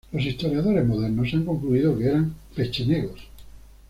Los historiadores modernos han concluido que eran pechenegos.